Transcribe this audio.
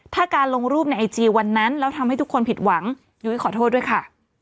ถ้าการลงรูปในไอจีวันนั้นแล้วทำให้ทุกคนผิดหวังยุ้ยขอโทษด้วยค่ะ